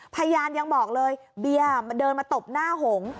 พยานยังบอกเลยเบียร์เดินมาตบหน้าหง